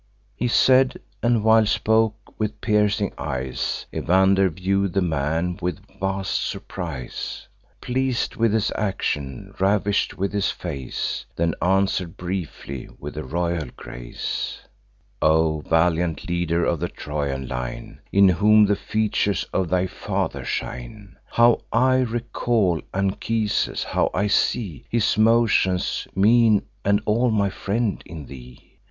He said; and while spoke, with piercing eyes Evander view'd the man with vast surprise, Pleas'd with his action, ravish'd with his face: Then answer'd briefly, with a royal grace: "O valiant leader of the Trojan line, In whom the features of thy father shine, How I recall Anchises! how I see His motions, mien, and all my friend, in thee!